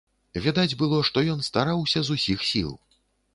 Відаць было, што ён стараўся з усіх сіл.